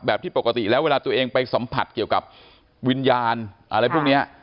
ที่ปกติแล้วเวลาตัวเองไปสัมผัสเกี่ยวกับวิญญาณอะไรพวกนี้